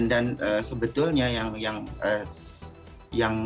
dan sebetulnya yang bisa